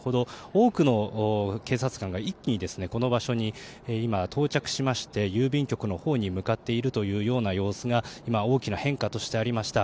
多くの警察官が一気にこの場所に今、到着しまして郵便局のほうに向かっている様子が今、大きな変化としてありました。